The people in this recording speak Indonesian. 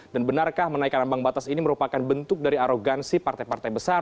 dan benarkah menaikkan ambang batas ini merupakan bentuk dari arogansi partai partai besar